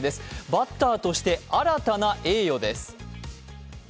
バッターとして新たな栄誉です。